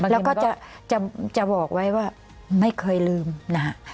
แล้วก็จะบอกไว้ว่าไม่เคยลืมนะฮะ